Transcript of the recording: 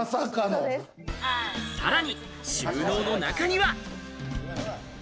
さらに収納の中には。